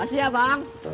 makasih ya bang